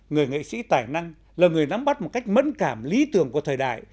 người nghệ sĩ tài năng là người nắm bắt một cách mẫn cảm lý tưởng của thời đại